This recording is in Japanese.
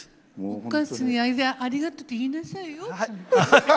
お母さんにありがとうって言いなさいよ。